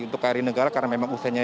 untuk kri negara karena memang usianya